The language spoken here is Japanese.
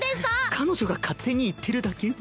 彼女が勝手に言ってるだけで。